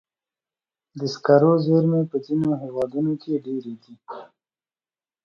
د سکرو زیرمې په ځینو هېوادونو کې ډېرې دي.